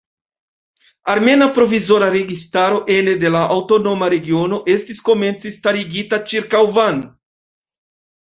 Armena provizora registaro ene de la aŭtonoma regiono estis komence starigita ĉirkaŭ Van.